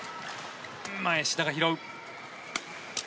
前、志田が拾う。